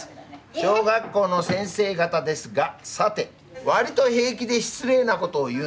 「小学校の先生がたです」が「さてわりと平気で失礼なことを言うのはどの先生？」。